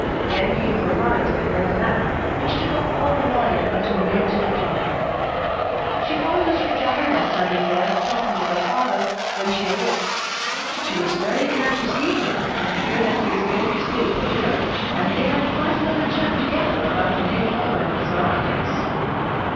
Then came her ride, and then a nap, which took up all the morning until near dinner time. She found Mr. Travilla sitting there, talking with her father, when she awoke. She was very glad to see him, and to hear that he was going to stay to dinner; and they had quite a little chat together about the new home and its surroundings.